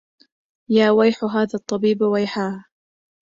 يا ويح هذا الطبيب ويحاه